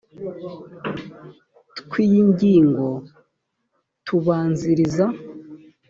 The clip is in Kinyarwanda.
tw iyi ngingo tubanziriza